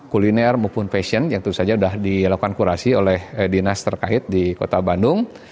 kuliner maupun fashion yang tentu saja sudah dilakukan kurasi oleh dinas terkait di kota bandung